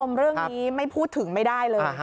คุณผู้ชมเรื่องนี้ไม่พูดถึงไม่ได้เลย